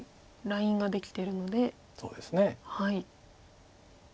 ラインができてるので。